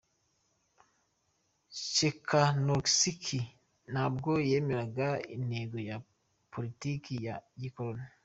Czekanowski ntabwo yemeraga intego na poliliki ya gikoroni.